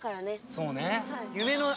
そうね。